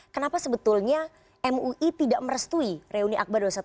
kenapa sebetulnya mui tidak merestui reuni akbar dua ratus dua belas